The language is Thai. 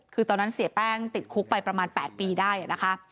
คือตอนนั้นเสียแป้งติดคุกไปประมาณ๘ปีได้นะคะ